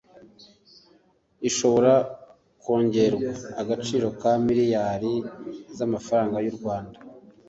ishobora kongerwa agaciro ka miliyari z,amafaranga y,u Rwanda